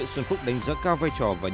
xin chào các bạn